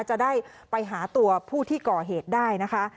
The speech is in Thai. จะได้ไปหาตัวผู้ที่ก่อเหตุได้นะคะ